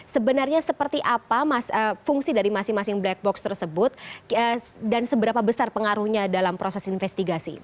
sebenarnya seperti apa mas fungsi dari masing masing black box tersebut dan seberapa besar pengaruhnya dalam proses investigasi